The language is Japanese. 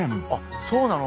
そうなの？